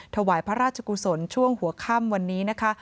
ถวายพระราชกุศลช่วงหัวค่ำวันนี้นะคะ